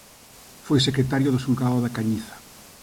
Foi secretario do Xulgado da Cañiza.